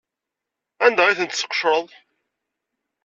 Anda ay tent-tesqecreḍ?